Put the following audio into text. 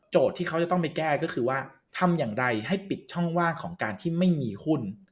ที่เขาจะต้องไปแก้ก็คือว่าทำอย่างไรให้ปิดช่องว่างของการที่ไม่มีหุ้น